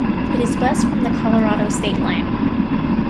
It is west from the Colorado state line.